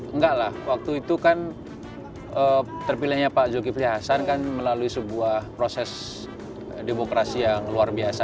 enggak lah waktu itu kan terpilihnya pak zulkifli hasan kan melalui sebuah proses demokrasi yang luar biasa